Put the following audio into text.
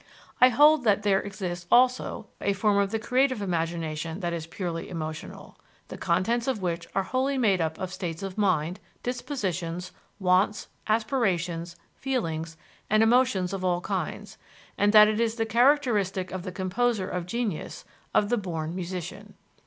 I hold that there exists also a form of the creative imagination that is purely emotional the contents of which are wholly made up of states of mind, dispositions, wants, aspirations, feelings, and emotions of all kinds, and that it is the characteristic of the composer of genius, of the born musician.